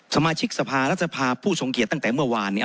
สมาชิกสภารัฐสภาผู้ทรงเกียจตั้งแต่เมื่อวานเนี่ย